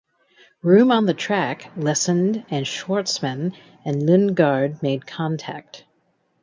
Room on the track lessened and Shwartzman and Lundgaard made contact.